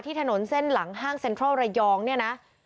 ถนนเส้นหลังห้างเซ็นทรัลระยองเนี่ยนะ